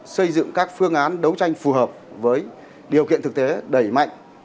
xây dựng các phương án đấu tranh phù hợp với điều kiện thực tế đẩy mạnh